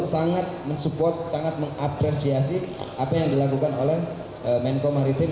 sangat mensupport sangat mengapresiasi apa yang dilakukan oleh menko maritim